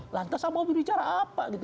lantas sama objek bicara apa gitu